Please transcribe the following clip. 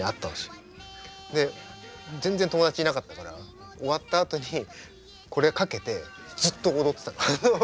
全然友達いなかったから終わったあとにこれかけてずっと踊ってたの。